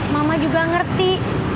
mama juga ngerti